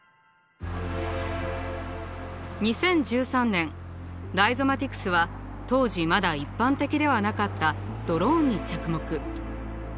２０１３年ライゾマティクスは当時まだ一般的ではなかったドローンに着目。